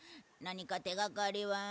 何か手掛かりは。